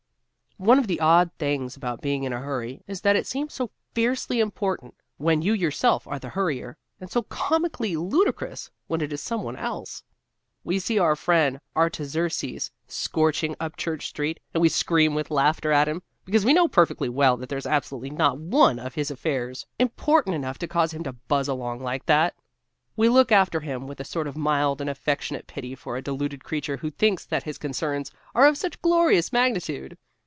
One of the odd things about being in a hurry is that it seems so fiercely important when you yourself are the hurrier and so comically ludicrous when it is someone else. We see our friend Artaxerxes scorching up Church Street and we scream with laughter at him, because we know perfectly well that there is absolutely not one of his affairs important enough to cause him to buzz along like that. We look after him with a sort of mild and affectionate pity for a deluded creature who thinks that his concerns are of such glorious magnitude.